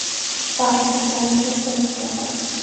Бага асарт оруул гэж зарлиг буулгав.